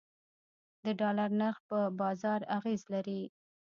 د ډالر نرخ په بازار اغیز لري